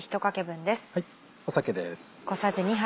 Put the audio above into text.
酒です。